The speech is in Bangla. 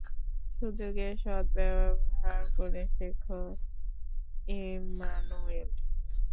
সুযোগের সদ্ব্যবহার করতে শেখো, ইম্মানুয়েল।